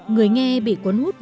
người nghe bị cuốn hút